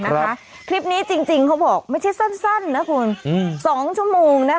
นะคะคลิปนี้จริงจริงเขาบอกไม่ใช่สั้นสั้นนะคุณอืมสองชั่วโมงนะคะ